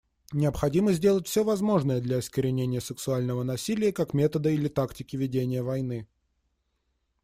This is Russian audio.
Необходимо сделать все возможное для искоренения сексуального насилия как метода или тактики ведения войны.